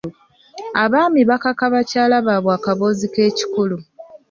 Abaami bakaka bakyala baabwe akaboozi k'ekikulu.